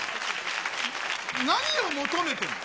何を求めてるの。